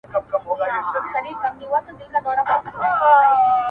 o سلا د مړو هنر دئ.